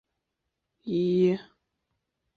现任立委为民主进步党籍的苏巧慧。